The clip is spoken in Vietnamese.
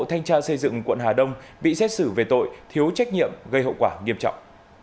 thanh tra xây dựng quận hà đông bị xét xử về tội thiếu trách nhiệm gây hậu quả nghiêm trọng